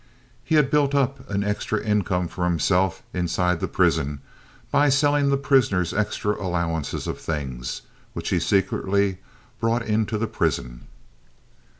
He had built up an extra income for himself inside the prison by selling the prisoners extra allowances of things which he secretly brought into the prison.